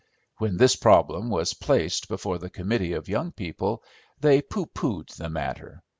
When this problem was placed before the committee of young people, they pooh poohed the matter.